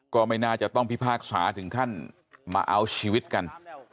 ก็ไม่น่าจะต้องพิพากษาถึงขั้นมาเอาชีวิตกัน